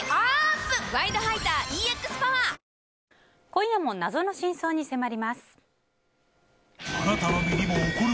今夜も、謎の真相に迫ります。